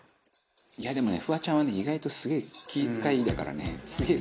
いやでもねフワちゃんは意外とすげえ気ぃ使いだからね。